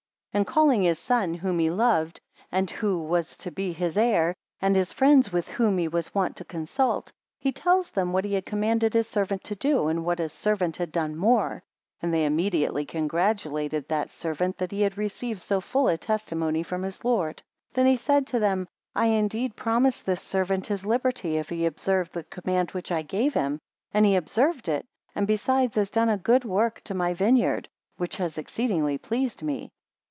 15 And calling his son whom he loved, and who was to be his heir, and his friends with whom he was wont to consult; he tells them what he had commanded his servant to do, and what his servant had done more; and they immediately congratulated that servant, that he had received so full a testimony from his lord. 16 Then he said to them, I indeed promised this servant his liberty, if he observed the command which I gave him; and he observed it, and besides has done a good work to my vineyard, which has exceedingly pleased me.